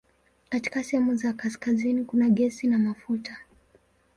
Katika sehemu za kaskazini kuna gesi na mafuta.